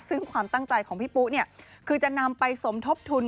ซึ่งความตั้งใจของพี่ปุ๊คือจะนำไปสมทบทุน